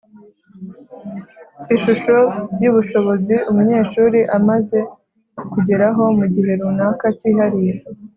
ishusho y’ubushobozi umunyeshuri amaze kugeraho mu gihe runaka kihariye